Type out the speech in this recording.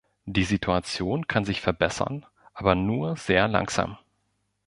Die Situation kann sich verbessern, aber nur sehr langsam.